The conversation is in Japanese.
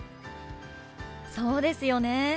そうですよね。